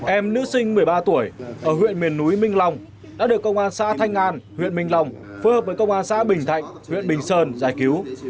em nữ sinh một mươi ba tuổi ở huyện miền núi minh long đã được công an xã thanh an huyện minh long phối hợp với công an xã bình thạnh huyện bình sơn giải cứu